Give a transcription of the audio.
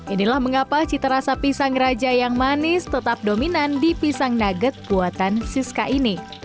inilah mengapa cita rasa pisang raja yang manis tetap dominan di pisang nugget buatan siska ini